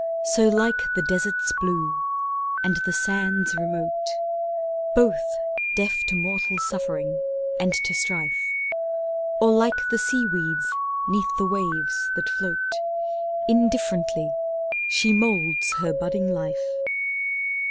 So like the desert's Blue, and the sands remote, Both, deaf to mortal suffering and to strife, Or like the sea weeds 'neath the waves that float, Indifferently she moulds her budding life.